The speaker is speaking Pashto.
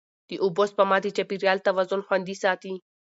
د اوبو سپما د چاپېریال توازن خوندي ساتي.